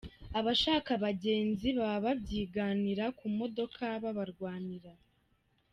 Abashaka abagenzi baba babyiganira ku modoka babarwanira.